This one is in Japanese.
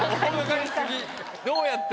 どうやって。